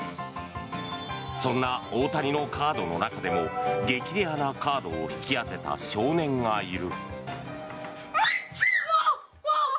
そんな大谷のカードの中でも激レアなカードを引き当てた少年がいる。